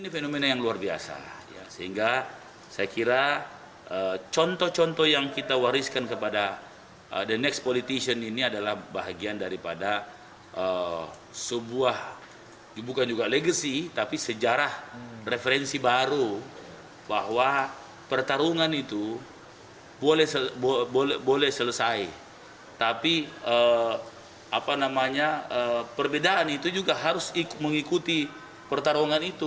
perbedaan itu juga harus mengikuti pertarungan itu